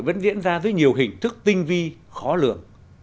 vẫn diễn ra dưới nhiều hình thức tinh vi khó lường